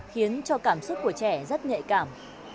khiến cho cảm xúc của trẻ rất nhạy cảm